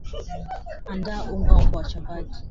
Andaa unga wako wa chapati